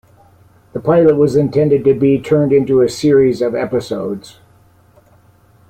The pilot was intended to be turned into a series of episodes.